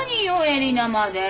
えりなまで。